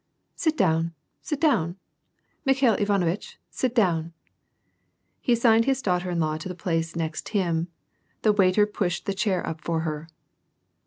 " Sit down, sit down ! Mikhail Ivanovitch, sit down." He assigned his daughter in law the place next him: the waiter pushed the chair up for her.